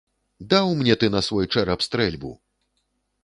Даў мне ты на свой чэрап стрэльбу!